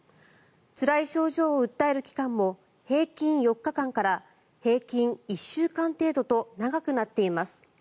つらい症状を訴える期間も平均４日間から平均１週間程度と長くなっています。